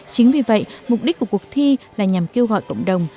chính vì vậy mục đích của cuộc thi là nhằm kêu gọi cộng đồng